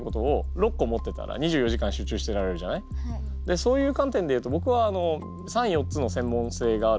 そういう観点で言うとぼくは３４つの専門性がある